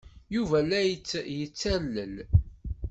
Yuba la tt-yettalel.